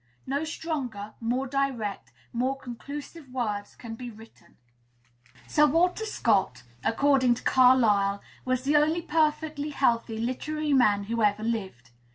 No stronger, more direct, more conclusive words can be written: "Sir Walter Scott, according to Carlyle, was the only perfectly healthy literary man who ever lived.